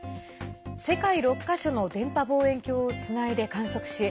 世界６か所の電波望遠鏡をつないで観測し